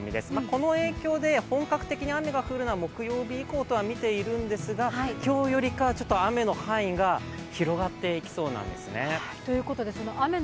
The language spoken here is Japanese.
この影響で本格的に雨が降るのは木曜日以降とはみているんですが今日よりか雨の範囲が広がっていきそうなんですね。